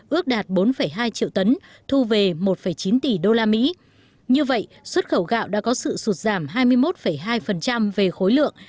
ước đạt bốn hai triệu tấn thu về một chín tỷ usd như vậy xuất khẩu gạo đã có sự sụt giảm hai mươi một hai về khối lượng